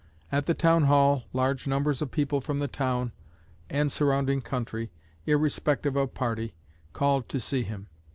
At the Town Hall large numbers of people from the town and surrounding country, irrespective of party, called to see him.